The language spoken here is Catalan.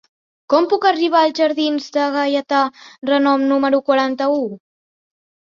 Com puc arribar als jardins de Gaietà Renom número quaranta-u?